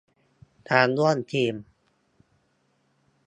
การร่วมทีม